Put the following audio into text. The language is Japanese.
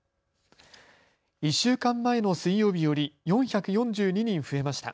１週間前の水曜日より４４２人増えました。